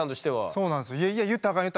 そうなんですよ。